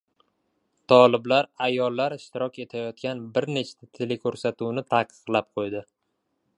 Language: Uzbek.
Toliblar ayollar ishtirok etayotgan bir nechta teleko‘rsatuvni taqiqlab qo‘ydi